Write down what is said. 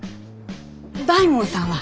大門さんは？